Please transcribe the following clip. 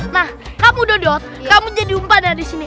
nah kamu dodot kamu jadi umpan dari sini